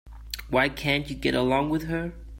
Why can't you get along with her?